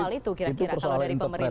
soal itu kira kira kalau dari pemerintah